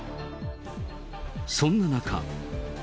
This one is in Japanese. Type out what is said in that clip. そんな中。